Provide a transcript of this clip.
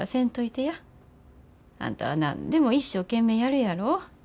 あんたは何でも一生懸命やるやろ。